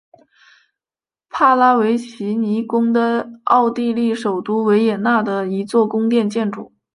帕拉维奇尼宫是奥地利首都维也纳的一座宫殿建筑。